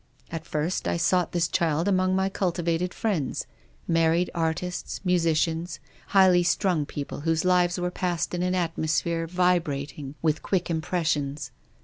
At first I sought this child among my cultivated friends ; married artists, musicians, highly strung people, whose lives 26 TONGUES OF CONSCIENCE. were passed in an atmosphere vibrating with quick impressions.